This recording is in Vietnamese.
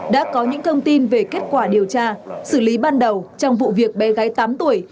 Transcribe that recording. đã có những thông tin về kết quả điều tra xử lý ban đầu trong vụ việc bé gái tám tuổi